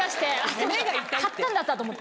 そうだ買ったんだったと思って。